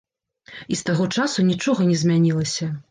І з таго часу нічога не змянілася.